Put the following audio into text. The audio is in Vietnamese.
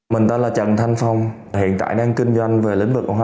mình tên là trần thanh phong hiện tại đang kinh doanh về lĩnh vực hoa lan ở tp hcm